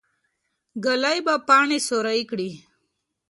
ږلۍ به پاڼه سوری کړي.